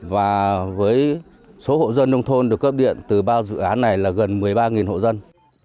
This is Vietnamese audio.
và với số hộ dân nông thôn được cấp điện từ bao dự án này là gần một mươi ba hộ dân